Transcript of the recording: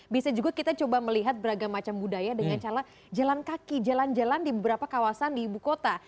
bisa juga kita coba melihat beragam macam budaya dengan cara jalan kaki jalan jalan di beberapa kawasan di ibu kota